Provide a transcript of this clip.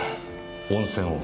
温泉を？